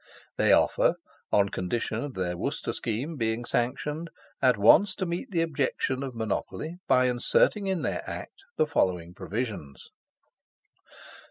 They offer, on condition of their Worcester scheme being sanctioned, at once to meet the objections of monopoly, by inserting in their Act the following provisions: 1.